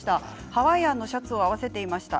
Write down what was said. ハワイアンのシャツと合わせました。